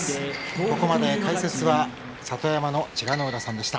ここまで解説は里山の千賀ノ浦さんでした。